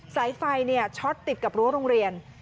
สายไฟช็อตติดกับรั้วโรงเรียน